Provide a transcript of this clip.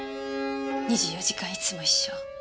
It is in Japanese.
２４時間いつも一緒。